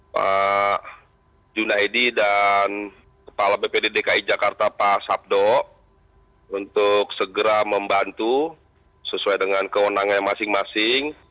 pak junaidi dan kepala bpd dki jakarta pak sabdo untuk segera membantu sesuai dengan kewenangan masing masing